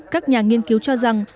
các nhà nghiên cứu cho rằng